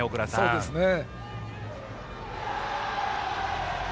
そうですね。